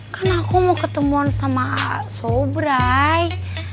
kan aku mau ketemuan sama sobrai